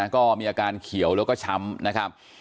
ก็มีอาการเขียวแล้วก็ช้ำนะครับ